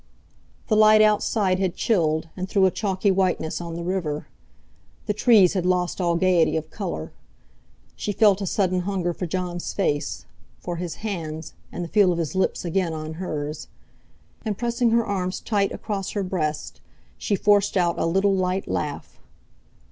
The light outside had chilled, and threw a chalky whiteness on the river. The trees had lost all gaiety of colour. She felt a sudden hunger for Jon's face, for his hands, and the feel of his lips again on hers. And pressing her arms tight across her breast she forced out a little light laugh.